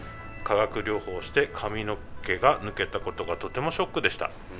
化学療法をして髪の毛が抜けたことがとてもショックでした。